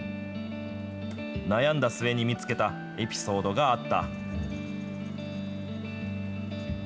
悩んだ末に見つけたエピソードがあった。